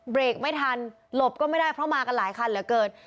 เบรกไม่ทันหลบก็ไม่ได้เพราะมากันหลายคันเหลือเกิน